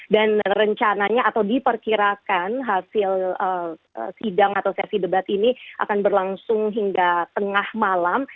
dan rencananya atau diperkirakan hasil sidang atau sesi debat ini akan berlangsung hingga tengah malam